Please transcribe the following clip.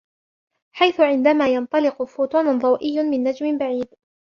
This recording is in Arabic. حيث عندما ينطلق فوتون ضوئي من نجم بعيد